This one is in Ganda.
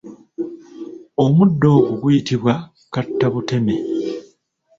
Omuddo ogwo guyitibwa kattabuteme.